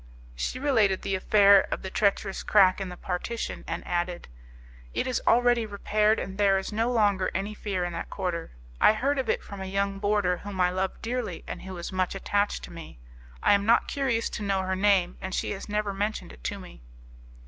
She related the affair of the treacherous crack in the partition, and added, "It is already repaired, and there is no longer any fear in that quarter. I heard of it from a young boarder whom I love dearly, and who is much attached to me. I am not curious to know her name, and she has never mentioned it to me."